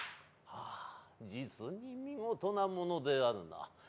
あ実に見事なものであるな。